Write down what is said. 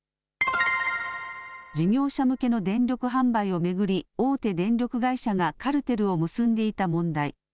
事業者向けの電力販売を巡り、大手電力会社がカルテルを結んでいた問題。